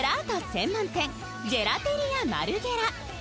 専門店、ジェラテリアマルゲラ。